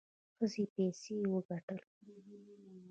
ښځې پسې وکتل.